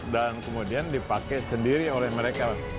dan kemudian dipakai sendiri oleh mereka